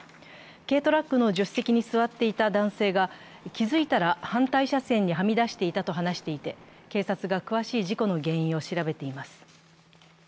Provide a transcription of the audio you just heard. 軽トラックの助手席に座っていた男性が、気づいたら反対車線にはみ出していたと話していて、警察が詳しい事故の原因を調べています。